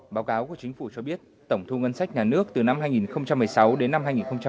báo cáo của chính phủ cho biết tổng thu ngân sách nhà nước từ năm hai nghìn một mươi sáu đến năm hai nghìn một mươi tám